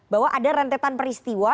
bahwa ada rentetan peristiwa